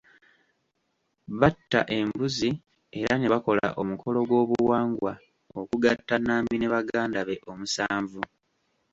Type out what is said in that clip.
Batta embuzi, era ne bakola omukolo gw'obuwangwa okugatta Nambi ne baganda be omusanvu.